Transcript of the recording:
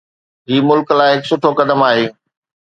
هي ملڪ لاءِ هڪ سٺو قدم آهي.